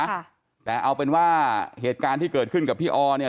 ค่ะแต่เอาเป็นว่าเหตุการณ์ที่เกิดขึ้นกับพี่ออเนี่ย